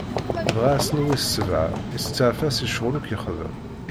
Dɣa, ass-nni wis sebɛa, isteɛfa si ccɣwel akk yexdem.